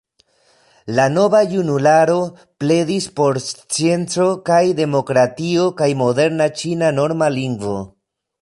La Nova Junularo pledis por scienco kaj demokratio kaj moderna ĉina norma lingvo.